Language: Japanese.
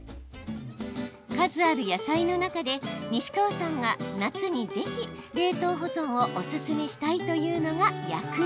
数ある野菜の中で西川さんが夏に是非冷凍保存をオススメしたいというのが薬味。